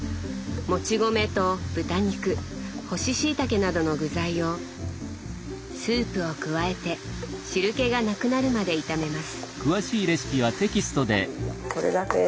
もち米と豚肉干ししいたけなどの具材をスープを加えて汁けがなくなるまで炒めます。